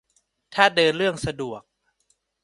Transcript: ถ้าเดินเรื่องสะดวก